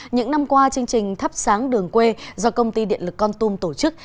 những năm qua chương trình thắp sáng đường quê do công ty điện lực con tum tổ chức